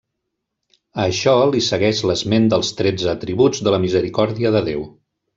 A això li segueix l'esment dels tretze atributs de la misericòrdia de Déu.